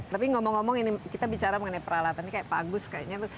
tapi ngomong ngomong ini kita bicara mengenai peralatan ini kayak bagus kayaknya